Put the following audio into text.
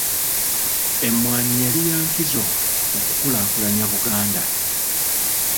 Emmwanyi yali ya nkizo okukulaakulanya Buganda.